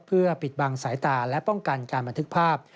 เพื่อปิดบังสายตาและป้องกันการบันทึกภาพ